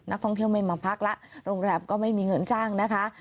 นักท่องเที่ยวไม่มาพักแล้วโรงแรมก็ไม่มีเงินจ้างนะคะ